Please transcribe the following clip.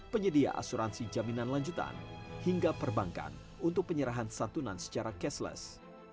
penyedia asuransi jaminan lanjutan hingga perbankan untuk penyerahan santunan secara cashless